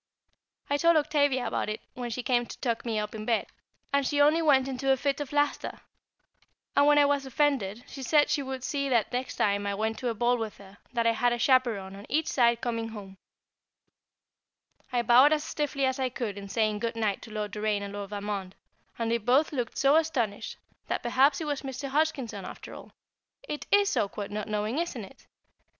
I told Octavia about it when she came to tuck me up in bed; and she only went into a fit of laughter, and when I was offended, she said she would see that the next time I went to a ball with her, that I had a chaperon on each side coming home. [Sidenote: An Awkward Situation] I bowed as stiffly as I could in saying good night to Lord Doraine and Lord Valmond, and they both looked so astonished, that perhaps it was Mr. Hodgkinson after all; it is awkward not knowing, isn't it?